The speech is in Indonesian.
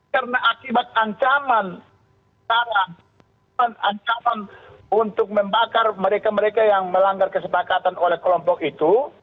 karena akibat ancaman cara ancaman untuk membakar mereka mereka yang melanggar kesepakatan oleh kelompok itu